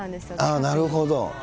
なるほど。